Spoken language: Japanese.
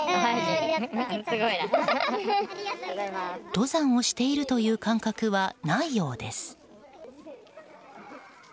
登山をしているという感覚はないようです。